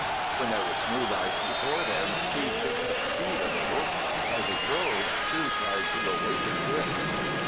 When there was smooth ice before them, Steve picked up speed a little. As he drove, Sue tried to awaken Biff.